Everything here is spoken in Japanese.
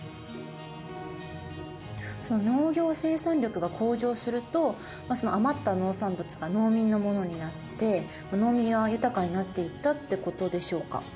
農業生産力が向上すると余った農産物が農民のものになって農民は豊かになっていったってことでしょうか。